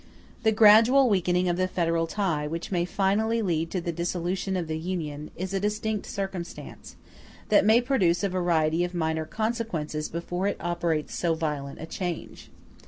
The gradual weakening of the federal tie, which may finally lead to the dissolution of the Union, is a distinct circumstance, that may produce a variety of minor consequences before it operates so violent a change.